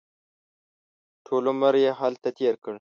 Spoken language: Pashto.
ټول عمر یې هلته تېر کړ.